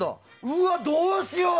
うわ、どうしよう。